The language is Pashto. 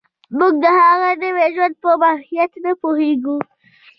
موږ د هغه نوي ژوند په ماهیت نه پوهېږو